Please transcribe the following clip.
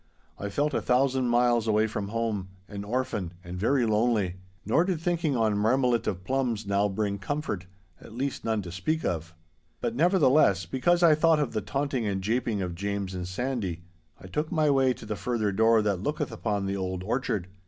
I felt a thousand miles away from home, an orphan, and very lonely—nor did thinking on marmalit of plums now bring comfort—at least, none to speak of. 'But, nevertheless, because I thought of the taunting and japing of James and Sandy, I took my way to the further door that looketh upon the old orchard.